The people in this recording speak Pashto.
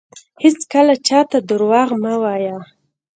هیڅکله چاته درواغ مه وایه